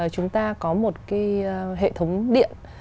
chúng ta có một cái hệ thống điện